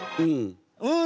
うん。